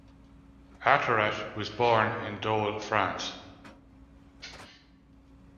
Attiret was born in Dole, France.